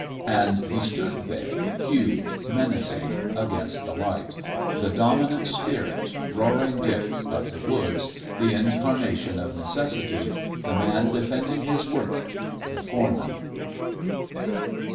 And he stood there huge, menacing, against the light the dominant spirit, Roaring Dick of the woods, the incarnation of Necessity, the Man defending his Work, the Foreman!